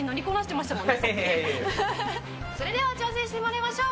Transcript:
それでは挑戦してもらいましょう。